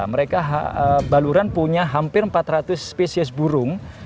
mereka baluran punya hampir empat ratus spesies burung